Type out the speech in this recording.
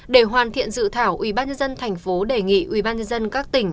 để hoàn thiện sự thảo ủy ban nhân dân tp hcm đề nghị ủy ban nhân dân các tỉnh